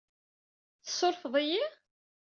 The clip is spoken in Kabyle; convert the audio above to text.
Tsurfeḍ-iyi?